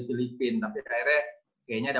filipina tapi akhirnya kayaknya ada